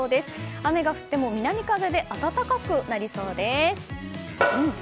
雨が降っても南風で暖かくなりそうです。